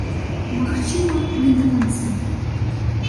Магчыма, не да канца.